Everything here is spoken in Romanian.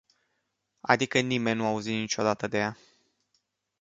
Adică nimeni nu a auzit niciodată de ea.